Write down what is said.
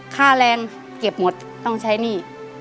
ค่าแรงเก็บหมดต้องใช้หนี้